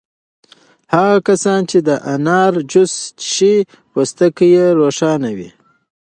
هغه کسان چې د انار جوس څښي پوستکی یې روښانه وي.